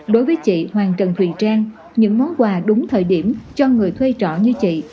đối với chị hoàng trần thùy trang những món quà đúng thời điểm cho người thuê trọ như chị